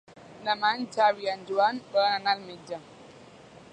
Demà en Xavi i en Joan volen anar al metge.